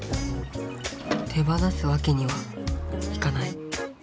手放すわけにはいかない。